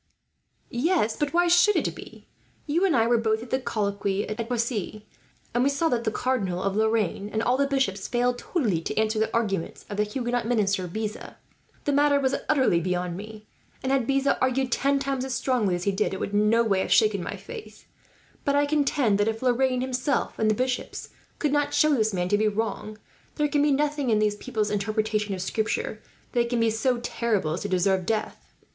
"Yes, but why should it be? You and I were both at the colloquy at Poissy, and we saw that the Cardinal of Lorraine, and all the bishops, failed totally to answer the arguments of the Huguenot minister Beza. The matter was utterly beyond me and, had Beza argued ten times as strongly as he did, it would in no way have shaken my faith; but I contend that if Lorraine himself and the bishops could not show this man to be wrong, there can be nothing in these people's interpretation of Scripture that can be so terrible as to deserve death.